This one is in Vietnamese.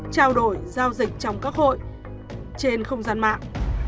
trao đổi giao dịch trong các hội trên không gian mạng